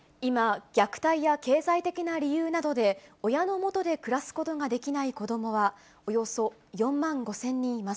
今、虐待や経済的な理由などで、親の元で暮らすことができない子どもは、およそ４万５０００人います。